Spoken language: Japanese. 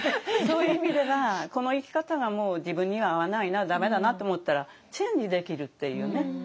そういう意味ではこの生き方がもう自分には合わないな駄目だなって思ったらチェンジできるっていうね。